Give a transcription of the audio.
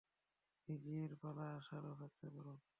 নিজের পালা আসার অপেক্ষা করুন।